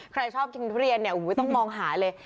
ใครชอบกินทุเรียนเนี่ยต้องมองหาเลย